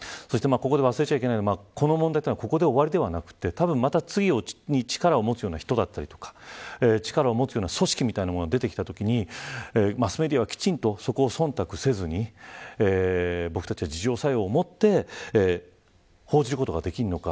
忘れちゃいけないのはこの問題はここで終わりではなくて次に力を持つような人だったり力を持つような組織みたいなものが出てきたときにマスメディアはきちんと忖度せずに僕たちは、自浄作用をもって報じることができるのか。